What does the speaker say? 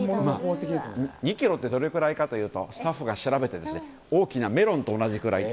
２ｋｇってどのくらいかというとスタッフが調べて大きなメロンと同じくらい。